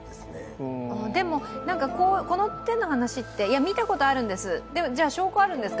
でも、この手の話って見たことあるんです、じゃあ、証拠あるんですか？